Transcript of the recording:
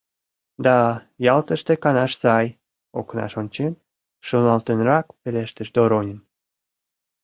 — Да, Ялтыште канаш сай, — окнаш ончен, шоналтенрак пелештыш Доронин.